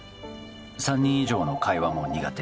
３人以上の会話も苦手